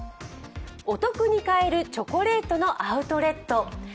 お得に買えるチョコレートのアウトレット。